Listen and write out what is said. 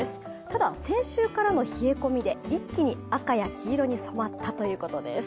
ただ、先週からの冷え込みで一気に赤や黄色に染まったということです。